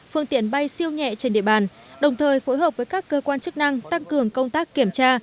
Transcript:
phương tiện bay siêu nhẹ trên địa bàn đồng thời phối hợp với các cơ quan chức năng tăng cường công tác kiểm tra